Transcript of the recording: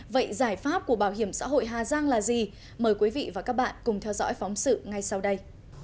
vậy giải pháp của bảo hiểm xã hội hà giang là gì mời quý vị và các bạn cùng theo dõi phóng sự ngay sau đây